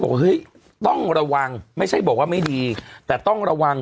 เฮ้ยต้องระวังไม่ใช่บอกว่าไม่ดีแต่ต้องระวัง